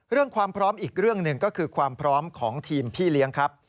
ความพร้อมอีกเรื่องหนึ่งก็คือความพร้อมของทีมพี่เลี้ยงครับ